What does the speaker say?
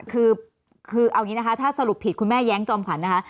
คือเอาอย่างนี้นะคะถ้าสรุปผิดคุณแม่แย้งจอมขวัญนะคะ